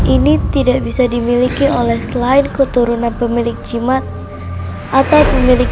ini tidak bisa dimiliki oleh selain keturunan pemilik jimat atau pemilik